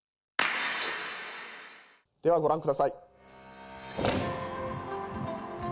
ではごらんください。